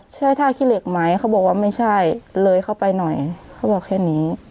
ใช่ท่าขี้เหล็กไหมเขาบอกว่าไม่ใช่เลยเข้าไปหน่อยเขาบอกแค่นี้